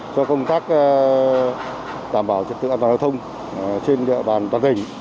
cho công tác đảm bảo trật tự an toàn giao thông trên địa bàn toàn tỉnh